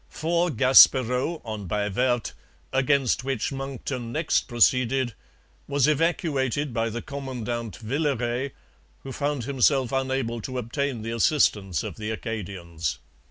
Fort Gaspereau on Baie Verte, against which Monckton next proceeded, was evacuated by the commandant Villeray, who found himself unable to obtain the assistance of the Acadians.